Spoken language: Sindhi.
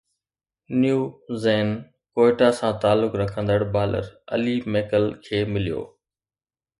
نيو زين ڪوئيٽا سان تعلق رکندڙ بالر علي ميڪيل کي مليو